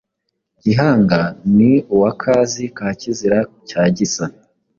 Gihanga ni uwa Kazi ka Kizira cya Gisa